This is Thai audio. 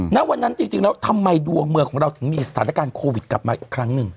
ณวันนั้นจริงแล้วทำไมดวงเมืองของเราถึงมีสถานการณ์โควิดกลับมาอีกครั้งหนึ่ง